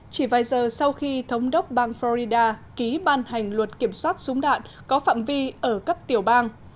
chỉ vài giờ sau khi thống đốc bang florida ký ban hành luật kiểm soát súng đạn có phạm vi ở cấp tiểu bang